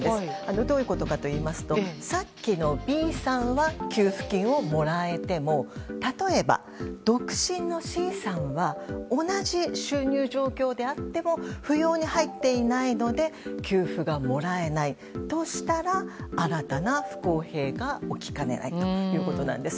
どういうことかといいますとさっきのＢさんは給付金をもらえても例えば、独身のＣさんは同じ収入状況であっても扶養に入っていないので給付がもらえないとしたら新たな不公平が起きかねないということなんです。